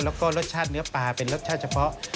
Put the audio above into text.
แล้วก็รสชาติเนื้อปลาเป็นรสชาติเฉพาะ